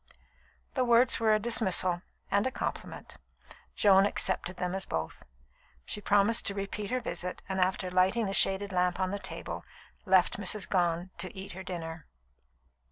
The words were a dismissal and a compliment. Joan accepted them as both. She promised to repeat her visit, and after lighting the shaded lamp on the table, left Mrs. Gone to eat her dinner.